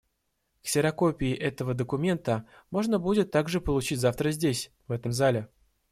Ксерокопии этого документа можно будет также получить завтра здесь, в этом зале.